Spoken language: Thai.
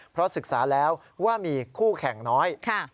เพราะศึกษาแล้วว่ามีคู่แข่งน้อย